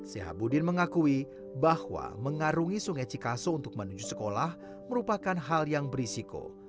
sehabudin mengakui bahwa mengarungi sungai cikaso untuk menuju sekolah merupakan hal yang berisiko